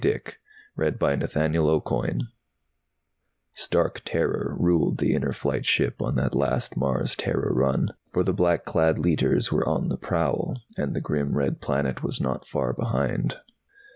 DICK _Stark terror ruled the Inner Flight ship on that last Mars Terra run. For the black clad Leiters were on the prowl ... and the grim red planet was not far behind.